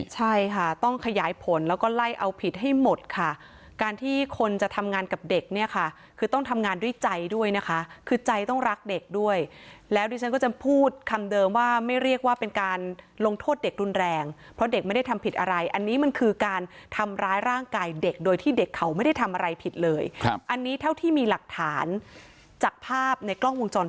ใช่ค่ะต้องขยายผลแล้วก็ไล่เอาผิดให้หมดค่ะการที่คนจะทำงานกับเด็กเนี่ยค่ะคือต้องทำงานด้วยใจด้วยนะคะคือใจต้องรักเด็กด้วยแล้วดิฉันก็จะพูดคำเดิมว่าไม่เรียกว่าเป็นการลงโทษเด็กรุนแรงเพราะเด็กไม่ได้ทำผิดอะไรอันนี้มันคือการทำร้ายร่างกายเด็กโดยที่เด็กเขาไม่ได้ทำอะไรผิดเลยครับอันนี้เท่าที่มีหลักฐานจากภาพในกล้องวงจร